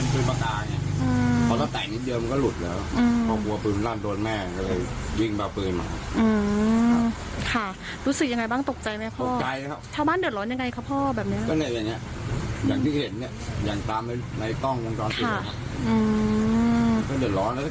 ถ้าเกิดมันพลาดมาเราก็ตายฟรี